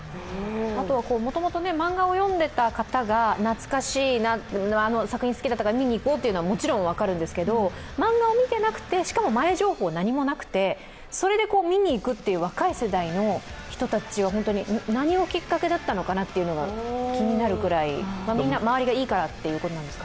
あとはもともと漫画を読んでいた方が懐かしいな、作品好きだったから見に行こうというのはもちろん分かるんですけど、漫画を見てなくて、しかも前情報何もなくてそれで見に行くという若い世代の人たちは本当に何がきっかけだったのかなと気になるくらい、みんな、周りがいいからということなんですかね。